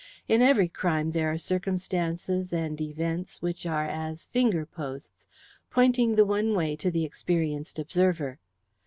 In every crime there are circumstances and events which are as finger posts, pointing the one way to the experienced observer.